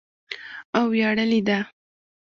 او ویاړلې ده.